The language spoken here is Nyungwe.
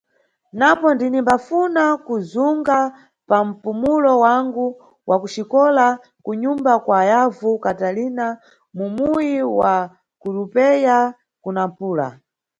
Napo, ndinimbafuna kuzunga pa mpumulo wangu wa ku xikola ku nyumba kwa yavu Katalina, mu muyi wa Currupeia ku Nampula.